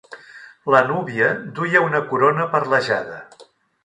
La núvia duia una corona perlejada.